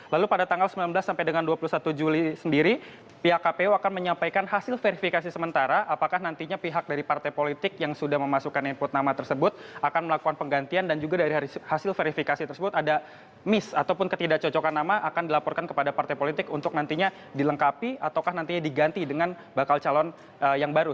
lalu pada tanggal sembilan belas sampai dengan dua puluh satu juli sendiri pihak kpu akan menyampaikan hasil verifikasi sementara apakah nantinya pihak dari partai politik yang sudah memasukkan input nama tersebut akan melakukan penggantian dan juga dari hasil verifikasi tersebut ada miss ataupun ketidak cocokan nama akan dilaporkan kepada partai politik untuk nantinya dilengkapi ataukah nantinya diganti dengan bakal calon yang baru